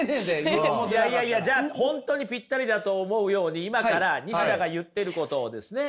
じゃあ本当にぴったりだと思うように今から西田が言ってることをですね